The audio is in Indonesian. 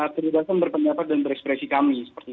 perbedaan berpenggabat dan berekspresi kami